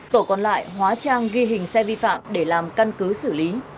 tổ còn lại hóa trang ghi hình xe vi phạm để làm căn cứ xử lý